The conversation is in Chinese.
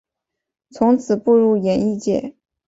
从此步入演艺界。